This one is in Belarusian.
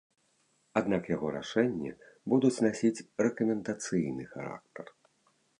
Аднак яго рашэнні будуць насіць рэкамендацыйны характар.